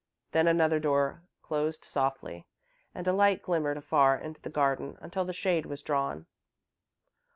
Then another door closed softly and a light glimmered afar into the garden until the shade was drawn.